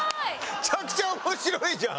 めちゃくちゃ面白いじゃん。